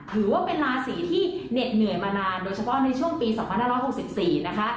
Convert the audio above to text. ถือว่าเป็นราศีที่เหน็ดเหนื่อยมานานโดยเฉพาะในช่วงปี๒๕๖๔นะคะ